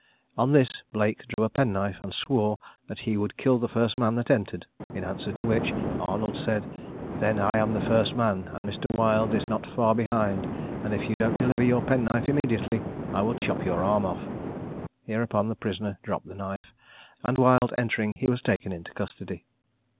On this Blake drew a penknife, and swore that he would kill the first man that entered; in answer to which Arnold said, "Then I am the first man, and Mr. Wild is not far behind; and if you don't deliver your penknife immediately, I will chop your arm off." Hereupon the prisoner dropped the knife; and Wild entering, he was taken into custody.